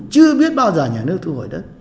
chưa biết bao giờ nhà nước thu hồi đất